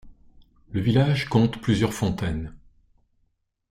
Le village compte plusieurs fontaines.